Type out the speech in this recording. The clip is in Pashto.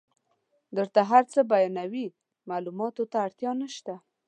درته هر څه بیانوي معلوماتو ته اړتیا نشته.